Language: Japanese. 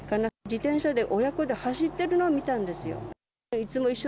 自転車で親子で走ってるのを見たんですよ。